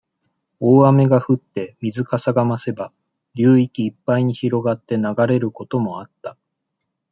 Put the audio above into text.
大雨が降って、水かさが増せば、流域いっぱいに広がって流れることもあった。